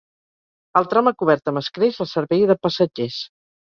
El tram ha cobert amb escreix els servei de passatgers.